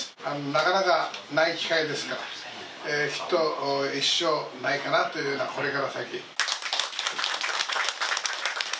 なかなかない機会ですから、きっと一生ないかなというような、これから先。